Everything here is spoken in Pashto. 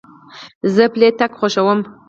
زه پلي تګ خوښوم.